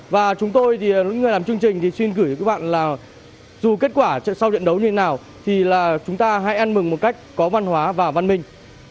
và chúng tôi thì những người làm chương trình thì xin gửi các bạn là dù kết quả sau trận đấu như nào thì là chúng ta hãy ăn mừng một cách có văn hóa và văn minh